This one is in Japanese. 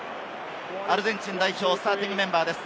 アルゼンチン代表のスターティングメンバーです。